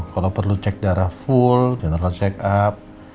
kalau perlu cek darah full general check up